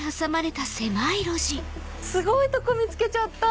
すごいとこ見つけちゃった。